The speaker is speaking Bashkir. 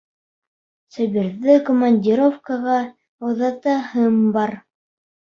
Сабирҙы командировкаға оҙатаһым бар.